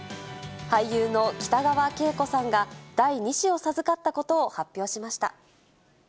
俳優の北川景子さんが、第２子を授かったことを発表しました。